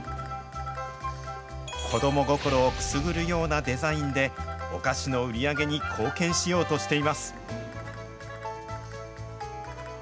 子ども心をくすぐるようなデザインでお菓子の売り上げに貢献しようとしています。